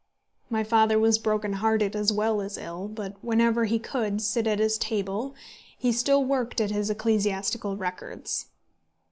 My father was broken hearted as well as ill, but whenever he could sit at his table he still worked at his ecclesiastical records.